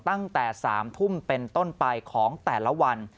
ตั้งแต่๓ทุ่มเป็นต้นไปของแต่ละวัน